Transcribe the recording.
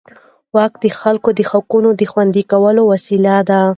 واک د خلکو د حقونو د خوندي کولو وسیله ده.